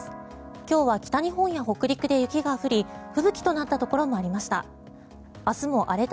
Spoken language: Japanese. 今日は北日本や北陸で雪が降り吹雪となったところもありました。